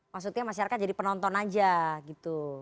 maksudnya masyarakat jadi penonton aja gitu